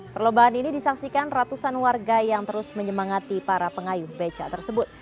perlombaan ini disaksikan ratusan warga yang terus menyemangati para pengayuh beca tersebut